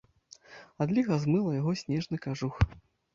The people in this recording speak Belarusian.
Адліга змыла яго снежны кажух.